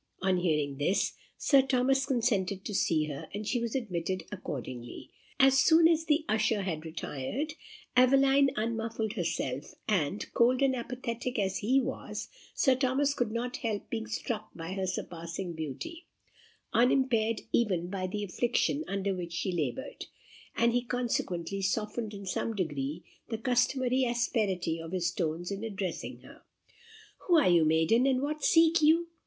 On hearing this, Sir Thomas consented to see her, and she was admitted accordingly. As soon as the usher had retired, Aveline unmuffled herself, and, cold and apathetic as he was, Sir Thomas could not help being struck by her surpassing beauty, unimpaired even by the affliction under which she laboured; and he consequently softened in some degree the customary asperity of his tones in addressing her. "Who are you, maiden, and what seek you?"